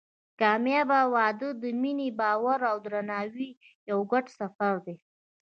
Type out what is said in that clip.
کامیابه واده د مینې، باور او درناوي یو ګډ سفر دی.